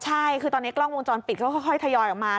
ใช่คือตอนนี้กล้องวงจรปิดก็ค่อยทยอยออกมา